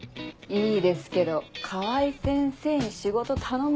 いいですけど川合先生に仕事頼む